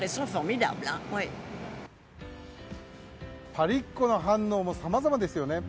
パリっ子の反応もさまざまですよね。